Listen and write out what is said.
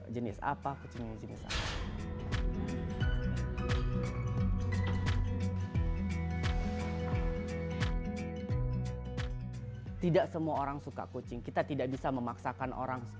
jenis apa kucingnya jenis apa tidak semua orang suka kucing kita tidak bisa memaksakan orang